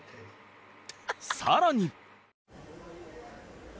さらに